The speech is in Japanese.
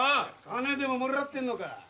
金でももらってるのか？